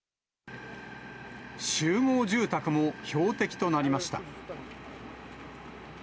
集合住宅も標的となりました。